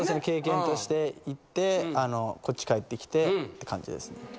経験として行ってこっち帰ってきてって感じですね。